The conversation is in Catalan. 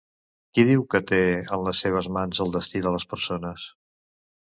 Qui diu que té en les seves mans el destí de les persones?